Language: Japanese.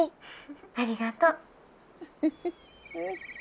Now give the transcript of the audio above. ☎ありがとう。